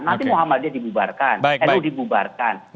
nanti muhammad dia dibubarkan